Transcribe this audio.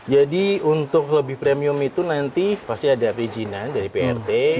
jadi untuk lebih premium itu nanti pasti ada izinan dari pirt